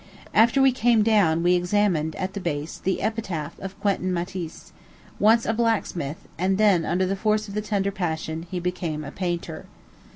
After we came down, we examined, at the base, the epitaph of Quentin Matsys, once a black smith, and then, under the force of the tender passion, he became a painter.